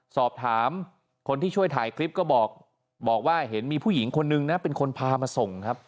สอบถามคนที่ช่วยถ่ายคลิปก็บอกว่าเห็นมีผู้หญิงคนนึงนะเป็นคนพามาส่งครับ